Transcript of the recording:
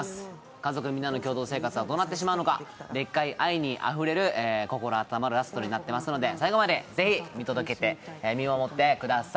家族みんなの共同生活はどうなってしまうのかでっかい愛あふれる心温まるラストになっていますので最後までぜひ見届けて、見守ってください。